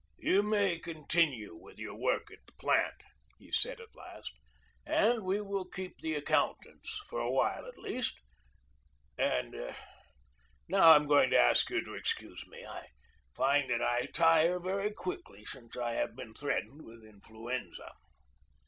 "You may continue with your work in the plant," he said at last, "and we will keep the accountants, for a while at least. And now I am going to ask you to excuse me. I find that I tire very quickly since I have been threatened with influenza."